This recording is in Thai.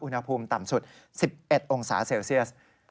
อุณหภูมิต่ำสุด๑๑องศาเซลเซียส